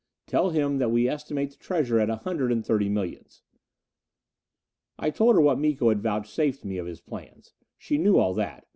Tell him we estimate the treasure at a hundred and thirty millions." I told her what Miko had vouchsafed me of his plans. She knew all that.